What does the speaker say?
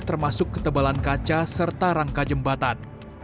termasuk ketebalan kaca serta rangka jembatan